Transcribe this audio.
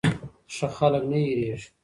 ښه خلک نه هېریږي.